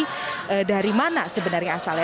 ini dari mana sebenarnya asalnya